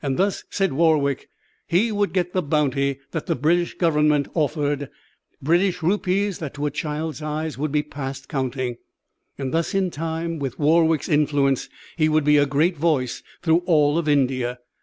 Thus, said Warwick, he would get the bounty that the British Government offered British rupees that to a child's eyes would be past counting. Thus in time, with Warwick's influence, his would be a great voice through all of India.